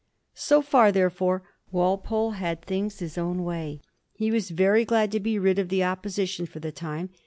So far, therefore, Walpole had things his own way. He was very glad to be rid of the Opposition for the time.